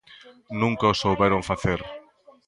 Nunca o souberon facer.